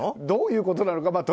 どういうことなのか。